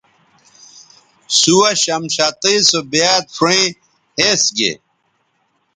سُوہ شمشتئ سو بیاد شؤیں ھِس گے